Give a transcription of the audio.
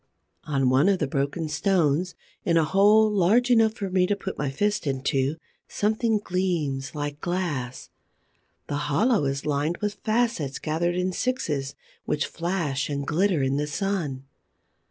On one of the broken stones, in a hole large enough for me to put my fist into, something gleams like glass. The hollow is lined with facets gathered in sixes which flash and glitter in the sun.